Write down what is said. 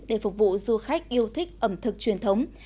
để phục vụ du khách yêu thích ẩm thực truyền thống